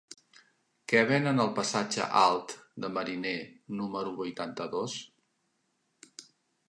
Què venen al passatge Alt de Mariner número vuitanta-dos?